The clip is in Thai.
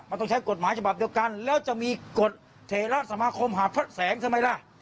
มันต้องใช้กฎหมายฉบับเดียวกันแล้วจะมีกฎเถระสมาคมหาพระแสงใช่ไหมล่ะ